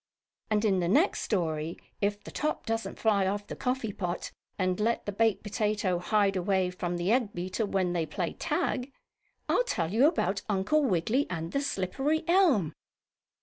And in the next story, if the top doesn't fly off the coffee pot and let the baked potato hide away from the egg beater, when they play tag, I'll tell you about Uncle Wiggily and the slippery elm.